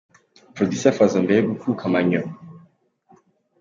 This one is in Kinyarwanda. Producer Fazzo mbere yo Gukuka amanyo.